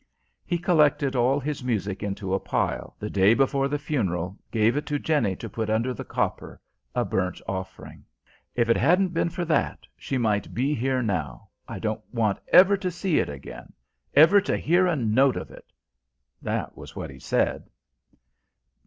He collected all his music into a pile, the day before the funeral, gave it to Jenny to put under the copper a burnt offering. "If it hadn't been for that, she might be here now. I don't want ever to see it again ever to hear a note of it!" That was what he said.